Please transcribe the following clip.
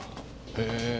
へえ。